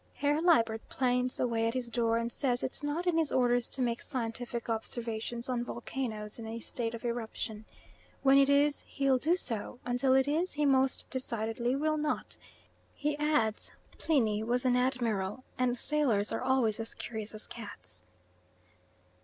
Herr Liebert planes away at his door, and says it's not in his orders to make scientific observations on volcanoes in a state of eruption. When it is he'll do so until it is, he most decidedly will not. He adds Pliny was an admiral and sailors are always as curious as cats.